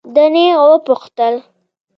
ده نېغ وپوښتل.